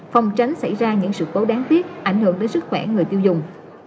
phòng tránh xảy ra những sự cố đáng tiếc ảnh hưởng đến sức khỏe người tiêu dùng